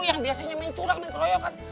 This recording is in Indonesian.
yang biasanya mincurang yang keroyokan